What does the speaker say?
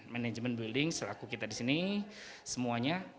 manajemen building selaku kita di sini semuanya